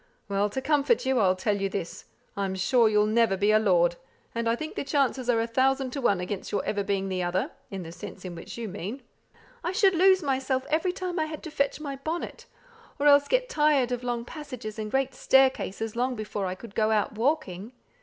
"Well, to comfort you, I'll tell you this: I'm sure you'll never be a lord; and I think the chances are a thousand to one against your ever being the other, in the sense in which you mean." "I should lose myself every time I had to fetch my bonnet, or else get tired of long passages and great staircases long before I could go out walking."